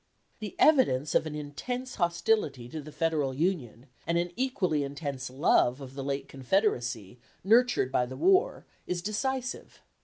"The evidence of an intense hostility to the Federal Union, and an equally intense love of the late Confederacy, nurtured by the war is decisive.